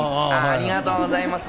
ありがとうございます。